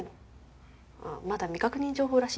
まだ未確認情報らしいんだけどさ。